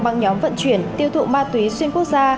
băng nhóm vận chuyển tiêu thụ ma túy xuyên quốc gia